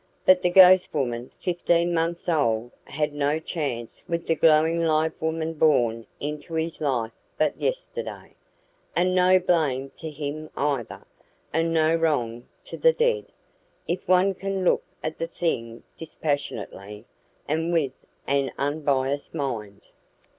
But the ghost woman fifteen months old had no chance with the glowing live woman born into his life but yesterday; and no blame to him either, and no wrong to the dead, if one can look at the thing dispassionately and with an unbiased mind.